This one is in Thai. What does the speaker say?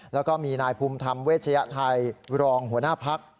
แล้วก็มีนายภูมิธรรมเวชยชัยรองหัวหน้าพัก